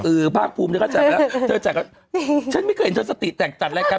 ภาคภูมิเธอก็จัดแล้วเธอจัดฉันไม่เคยเห็นเธอสติแต่งจัดรายการ